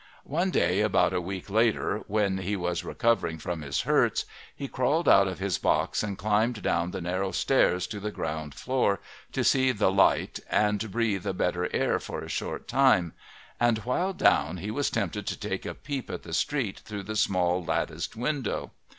One day, about a week later, when he was recovering from his hurts, he crawled out of his box and climbed down the narrow stairs to the ground floor to see the light and breathe a better air for a short time, and while down he was tempted to take a peep at the street through the small, latticed window.